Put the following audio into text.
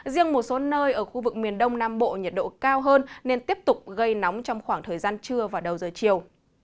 riêng một số nơi ở khu vực miền đông nam bộ nhiệt độ cao hơn nên tiếp tục gây nóng trong khoảng thời gian trưa và đầu giờ chiều